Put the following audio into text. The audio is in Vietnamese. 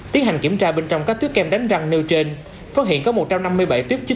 tiến hành kiểm tra bình thường tổng cộng ba trăm hai mươi bảy tiết kem đánh răng chưa mở nắp như nhóm hiệu khác nhau